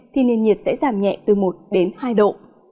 thì nền nhiệt sẽ giảm nhẹ từ một đến hai độ